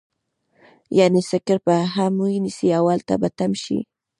يعنې سکر به هم ونيسي او هلته به تم شي.